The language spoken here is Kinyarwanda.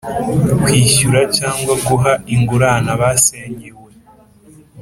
kwishyura cyangwa guha ingurane abasenyewe